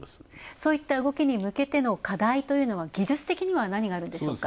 そういった動きにむけての課題というのは技術的には何があるんでしょうか？